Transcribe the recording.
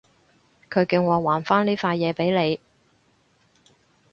佢叫我還返呢塊嘢畀你